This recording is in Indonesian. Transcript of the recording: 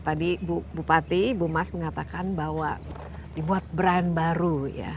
tadi bupati bu mas mengatakan bahwa dibuat brand baru ya